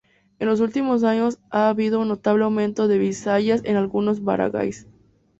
En los últimos años, ha habido un notable aumento de bisayas en algunos barangays.